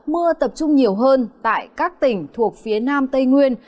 mưa tập trung nhiều hơn tại các tỉnh thuộc phía nam tây nguyên